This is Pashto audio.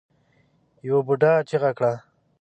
يوه بوډا چيغه کړه.